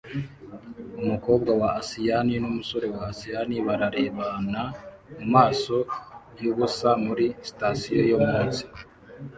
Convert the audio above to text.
Umukobwa wa asiyani numusore wa asiyani bararebana mumaso yubusa muri sitasiyo yo munsi